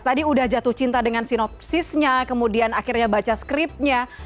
tadi udah jatuh cinta dengan sinopsisnya kemudian akhirnya baca skriptnya